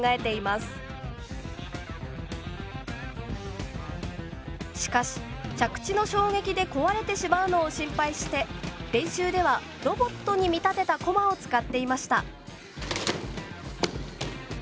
しかし着地の衝撃で壊れてしまうのを心配して練習ではロボットに見立てたコマを使っていました。